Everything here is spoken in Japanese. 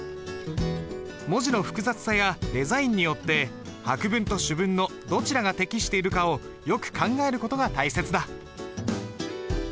文字の複雑さやデザインによって白文と朱文のどちらが適しているかをよく考える事が大切だ。